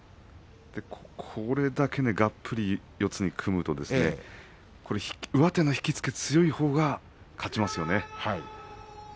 これだけがっぷり四つに組むと上手の引き付けが強いほうが勝ちますよね。